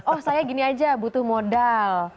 oh saya gini aja butuh modal